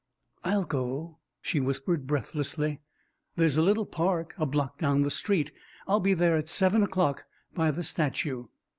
"I'll go," she whispered breathlessly. "There's a little park a block down the street. I'll be there at seven o'clock, by the statue."